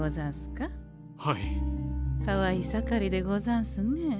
かわいいさかりでござすんね。